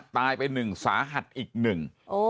ตายไปหนึ่งสาหัสอีกหนึ่ง